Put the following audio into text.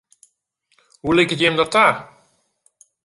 Hoe liket jim dat ta?